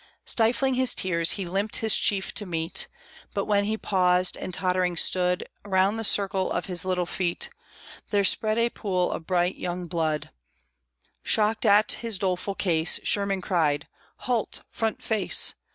Stifling his tears, he limped his chief to meet; But when he paused, and tottering stood, Around the circle of his little feet There spread a pool of bright, young blood. Shocked at his doleful case, Sherman cried, "Halt! front face!